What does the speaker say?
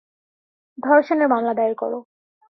ধর্ষণের মামলা দায়ের কর।